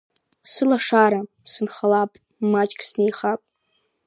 Сылшарала сынхалап, маҷк снеихап.